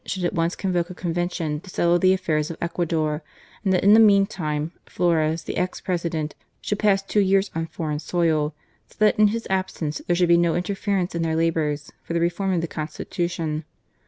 should at once convoke a Convention to settle the affairs of Ecuador, and that in the meantime Flores, the ex President, should pass two years on foreign soil, so that in his absence there should be no inter ference in their labours for the reform of the Consti tution.